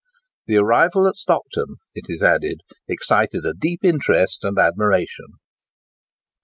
"The arrival at Stockton," it is added, "excited a deep interest and admiration."